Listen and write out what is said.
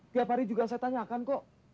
tiap hari juga saya tanyakan kok